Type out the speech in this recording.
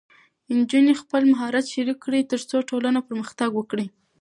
نجونې خپل مهارت شریک کړي، ترڅو ټولنه پرمختګ وکړي.